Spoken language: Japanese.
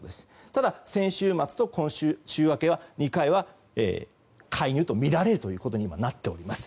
ただ先週末と今週週明け、２回は介入とみられるということになっております。